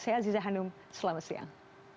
saya aziza hanum selamat siang